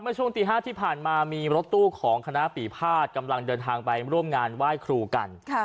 ช่วงตี๕ที่ผ่านมามีรถตู้ของคณะปีภาษกำลังเดินทางไปร่วมงานไหว้ครูกัน